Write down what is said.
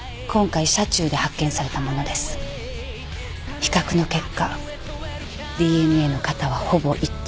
比較の結果ＤＮＡの型はほぼ一致。